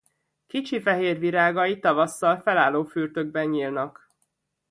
Kicsi fehér virágai tavasszal felálló fürtökben nyílnak.